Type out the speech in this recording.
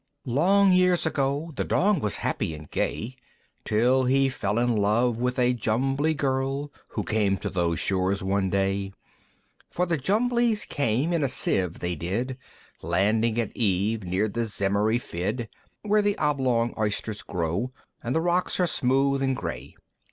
Long years ago The Dong was happy and gay, Till he fell in love with a Jumbly Girl Who came to those shores one day. For the Jumblies came in a Sieve, they did, Landing at eve near the Zemmery Fidd Where the Oblong Oysters grow, And the rocks are smooth and gray.